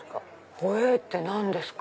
ホエーって何ですか？